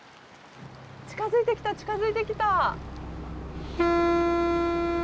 近づいてきた近づいてきた。